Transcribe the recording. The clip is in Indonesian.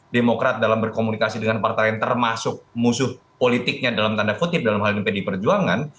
demokrat dalam berkomunikasi dengan partai lain termasuk musuh politiknya dalam tanda kutip dalam hal ini pdi perjuangan